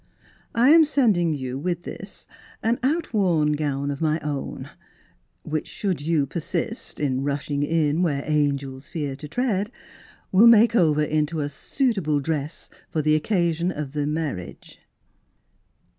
" I am sending you with this an out worn gown of my own, which, should you persist in rushing in where angels fear to tread, will make over into a suitable dress for the occasion of the marriage."